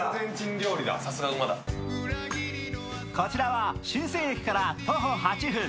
こちらは神泉駅から徒歩８分。